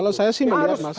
kalau saya sih melihat mas